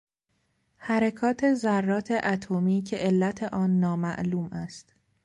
حرکات ذرات اتمی که علت آن نامعلوم است